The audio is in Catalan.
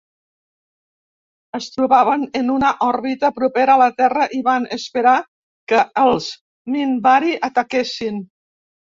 Es trobaven en una òrbita propera a la Terra i van esperar que els Minbari ataquessin.